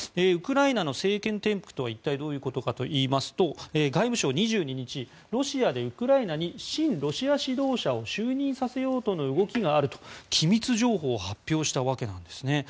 ウクライナの政権転覆とは一体どういうことかといいますと外務省、２２日ロシアでウクライナに親ロシア指導者を就任させようとの動きがあると機密情報を発表したわけなんです。